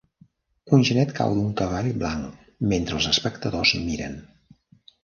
Un genet cau d'un cavall blanc mentre els espectadors miren.